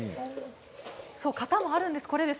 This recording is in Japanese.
型もあるんです。